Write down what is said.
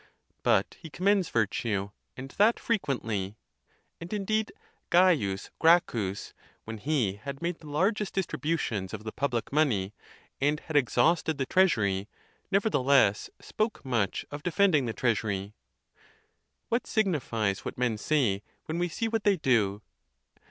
But he commends vir tue, and that fre quently ; and indeed C. Gracchus, when he had made the 112 THE TUSCULAN DISPUTATIONS. largest distributions of the public money, and had ex hausted the treasury, nevertheless spoke much of defend ing the treasury. What signifies what men say when we see what they do?